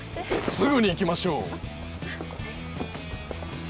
すぐに行きましょう！